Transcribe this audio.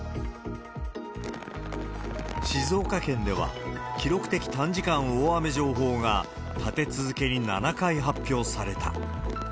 静岡県では、記録的短時間大雨情報が、立て続けに７回発表された。